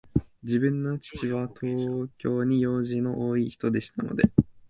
自分の父は、東京に用事の多いひとでしたので、